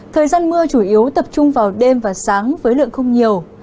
thời gian mưa chủ yếu tập trung vào đêm và sáng với lượng không nhiều